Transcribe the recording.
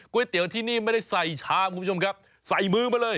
เตี๋ยวที่นี่ไม่ได้ใส่ชามคุณผู้ชมครับใส่มือมาเลย